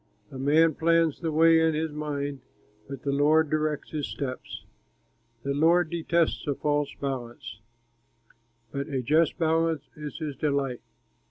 A man plans the way in his mind, But the Lord directs his steps. The Lord detests a false balance, But a just balance is his delight.